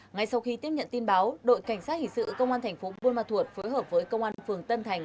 ngay sau khi tiếp nhận tin báo đội cảnh sát hình sự công an tp bun ma thuột phối hợp với công an phường tân thành